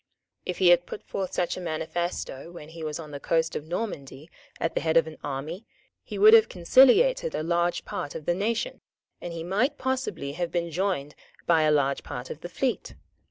If he had put forth such a manifesto when he was on the coast of Normandy at the head of an army, he would have conciliated a large part of the nation, and he might possibly have been joined by a large part of the fleet.